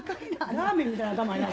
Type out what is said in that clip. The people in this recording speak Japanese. ラーメンみたいな頭やな。